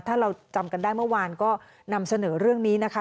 ถ้าเราจำกันได้เมื่อวานก็นำเสนอเรื่องนี้นะคะ